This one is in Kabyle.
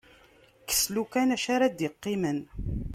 Kkes "lukan", acu ara d-iqqimen.